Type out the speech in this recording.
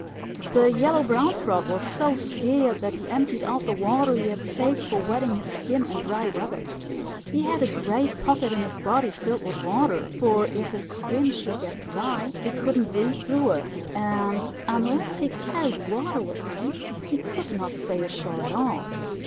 The Yellow Brown Frog was so scared that he emptied out the water he had saved for wetting his skin in dry weather. He had a great pocket in his body filled with water, for if his skin should get dry he couldn't breathe through it, and unless he carried water with him he could not stay ashore at all.